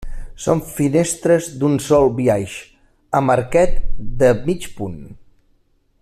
Són finestres d'un sol biaix, amb arquet de mig punt.